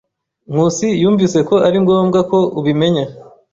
Nkusi yumvise ko ari ngombwa ko ubimenya.